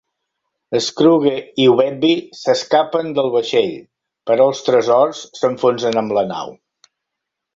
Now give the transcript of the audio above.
Scrooge i Webby s'escapen del vaixell, però els tresors s'enfonsen amb la nau.